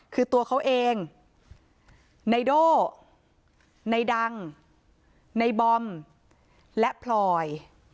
คือตัวเขาเองในโด่ในดังในบอมและพลอย